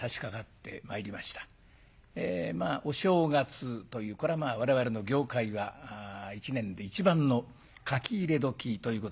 まあお正月というこれはまあ我々の業界は一年で一番の書き入れ時ということになるんでございますが。